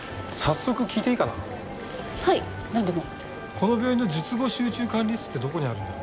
この病院の術後集中管理室ってどこにあるんだろう？